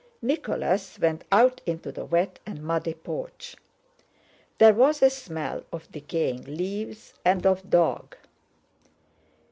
Nicholas went out into the wet and muddy porch. There was a smell of decaying leaves and of dog.